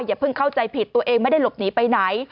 อย่าเพิ่งเข้าใจผิดตัวเองไม่ได้หลบหนีไปไหน